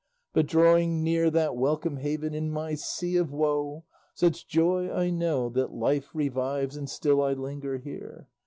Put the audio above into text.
But drawing near That welcome haven in my sea of woe, Such joy I know, That life revives, and still I linger here.